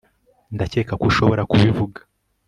ndakeka ko ushobora kubivuga